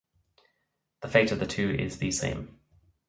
The fate of the two is the same.